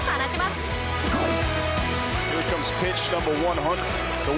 すごい！